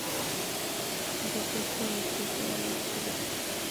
যথেষ্ট হয়েছে, চলো ছেলেরা!